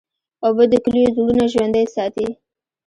اوبه د کلیو زړونه ژوندی ساتي.